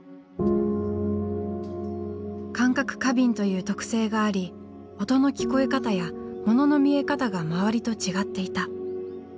感覚過敏という特性があり音の聞こえ方や物の見え方が周りと違っていた。